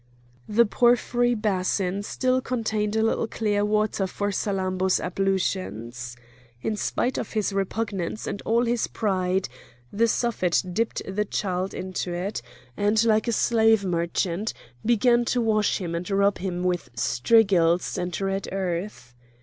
The porphyry basin still contained a little clear water for Salammbô's ablutions. In spite of his repugnance and all his pride, the Suffet dipped the child into it, and, like a slave merchant, began to wash him and rub him with strigils and red earth.